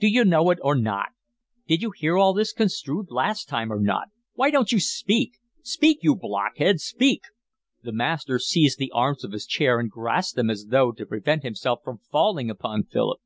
Do you know it or not? Did you hear all this construed last time or not? Why don't you speak? Speak, you blockhead, speak!" The master seized the arms of his chair and grasped them as though to prevent himself from falling upon Philip.